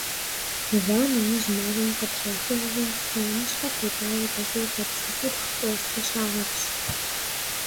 Ва нэужь, мафӀэм къытрахыжри, шыуаныщхьэр тепӀауэ дакъикъэ пщыкӏутху-тӏощӏкӏэ щагъэтщ.